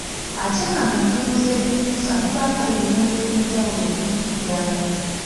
Ate nga mu ntuumu z’ebijimusa mubaamu ebirungo ebyenjawulo bingi ddala.